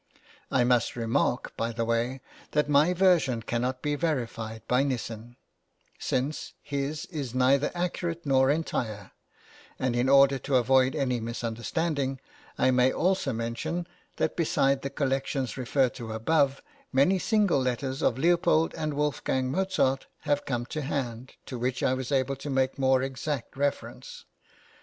I must remark, by the way, that my version cannot be verified by Nissen, since his is neither accurate nor entire; and in order to avoid any misunderstanding, I may also mention, that besides the collections referred to above, many single letters of Leopold and Wolfgang Mozart have come to hand, to which I was able to make more exact reference.